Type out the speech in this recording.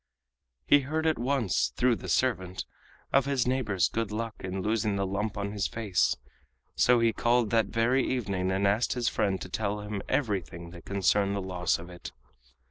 He heard at once, through the servant, of his neighbor's good luck in losing the lump on his face, so he called that very evening and asked his friend to tell him everything that concerned the loss of it.